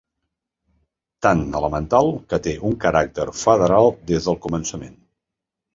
Tan elemental que té un caràcter federal des del començament.